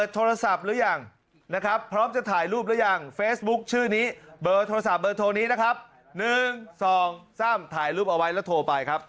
ตรงนี้นะครับหนึ่งสองสามถ่ายรูปเอาไว้แล้วโทรไปครับ